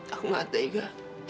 aku gak tega